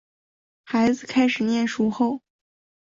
孩子开始念书后